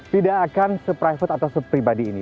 tidak akan se private atau se pribadi ini